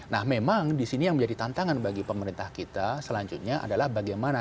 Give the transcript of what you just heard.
nah memang di sini yang menjadi tantangan bagi pemerintah kita selanjutnya adalah bagaimana